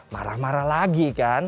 marah marah lagi kan